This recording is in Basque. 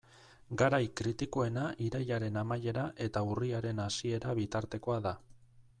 Garai kritikoena irailaren amaiera eta urriaren hasiera bitartekoa da.